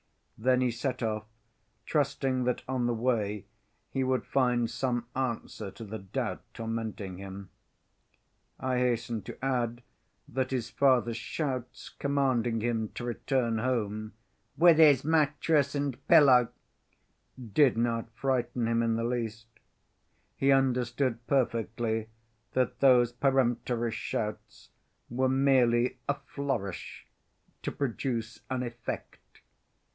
Then he set off, trusting that on the way he would find some answer to the doubt tormenting him. I hasten to add that his father's shouts, commanding him to return home "with his mattress and pillow" did not frighten him in the least. He understood perfectly that those peremptory shouts were merely "a flourish" to produce an effect.